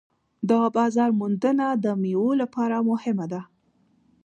د بازار موندنه د میوو لپاره مهمه ده.